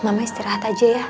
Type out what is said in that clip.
mama istirahat aja ya